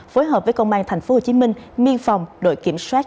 phối hợp với công an tp hcm biên phòng đội kiểm soát